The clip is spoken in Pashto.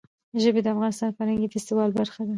ژبې د افغانستان د فرهنګي فستیوالونو برخه ده.